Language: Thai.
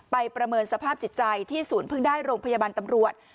ประเมินสภาพจิตใจที่ศูนย์เพิ่งได้โรงพยาบาลตำรวจ